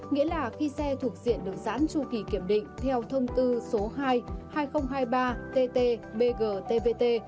nghĩa là khi xe thuộc diện được giãn tru kỳ kiểm định theo thông tư số hai hai nghìn hai mươi ba tt bg tvt